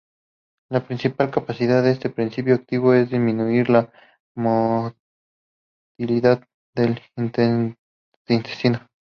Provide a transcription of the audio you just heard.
La principal capacidad de este principio activo es el disminuir la motilidad del intestino.